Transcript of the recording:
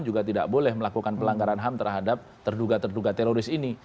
juga tidak boleh melakukan pelanggaran ham terhadap terduga terduga teroris ini